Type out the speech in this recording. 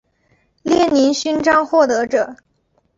列宁勋章获得者。